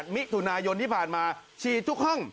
มิถุนายนที่ผ่านมาฉีดทุกห้อง